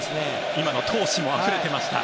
今も闘志があふれていました。